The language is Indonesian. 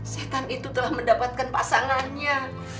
setan itu telah mendapatkan pasangannya